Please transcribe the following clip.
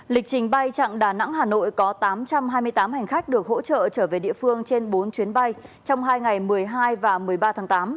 lịch trình bay chặng đà nẵng hà nội có tám trăm hai mươi tám hành khách được hỗ trợ trở về địa phương trên bốn chuyến bay trong hai ngày một mươi hai và một mươi ba tháng tám